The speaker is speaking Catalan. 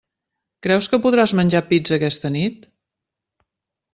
Creus que podràs menjar pizza aquesta nit?